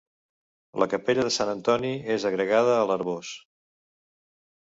La Capella de Sant Antoni és agregada a l'Arboç.